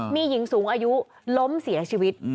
มีหญิงสูงอายุล้มเสียชีวิต